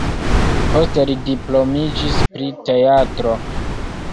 Poste li diplomiĝis pri teatro.